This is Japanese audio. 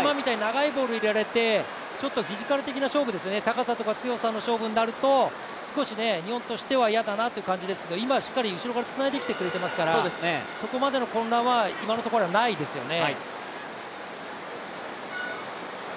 今みたいに長いボール入れられてちょっとフィジカル的な勝負、高さとか強さの勝負になると少し日本としては嫌だなという感じですけど今はしっかり後ろからつないできてくれていますから、そこまでの混乱は今のところはないですよね。